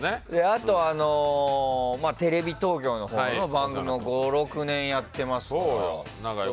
あとテレビ東京のほうの番組も５６年やってますから。